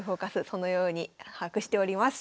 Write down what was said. そのように把握しております。